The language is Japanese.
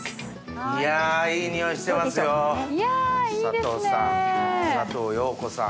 いやいい匂いしてますよ佐藤さん佐藤洋子さん。